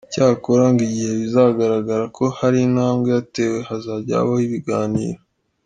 Icyakora ngo igihe bizagaragara ko hari intambwe yatewe hazajya habaho ibiganiro.